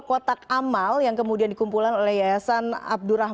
ini saat berjalan terakhir ketutaan isbi pameran saat hal bring